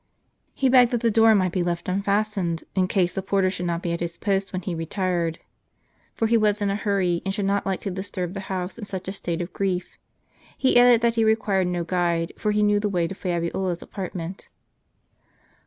He begged that the door might be left unfastened, in case the porter should not be at his post when he retired ; for he was in a hurry, and should not like to disturb the house in such a state of grief. He added that he required no guide, for he knew the way to Fabiola's apartment.